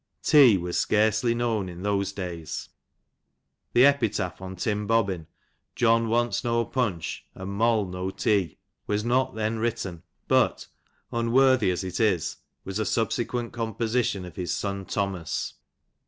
Tea was scarcely known in those days. The epitaph on Tim Bobbin, John w«nt8 no panch, And HoU no tea," was not then written, but, unworthy as it is, was a subsequent composition of his son Thomas.